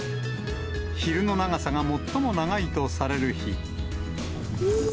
昼の長さが最も長いとされる日。